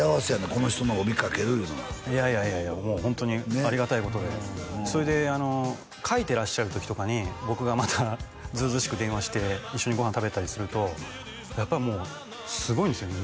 この人の帯書けるいうのはいやいやいやもうホントにありがたいことでそれで書いてらっしゃる時とかに僕がまた図々しく電話して一緒にご飯食べたりするとやっぱりもうすごいんですよね